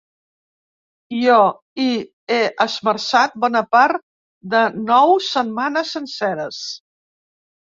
Jo hi he esmerçat bona part de nou setmanes senceres.